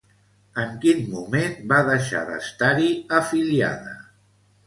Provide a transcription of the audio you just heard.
En quin moment va deixar d'estar-hi afiliada?